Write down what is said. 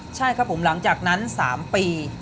ใช่ครับผมหลังจากนั้น๓ปี